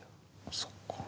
そっか。